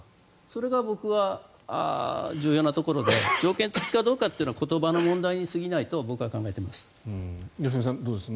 それが僕は重要なところで条件付きかどうかというのは言葉の問題に過ぎないと僕は考えています。